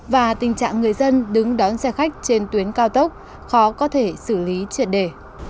và tình trạng người dân đứng đón xe khách trên tuyến cao tốc khó có thể xử lý triệt đề